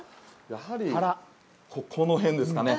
やはり、この辺ですかね。